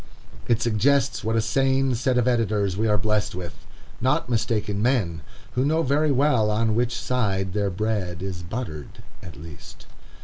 It suggests what a sane set of editors we are blessed with, not "mistaken men"; who know very well on which side their bread is buttered, at least.